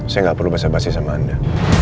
saya gak perlu basa basi sama anda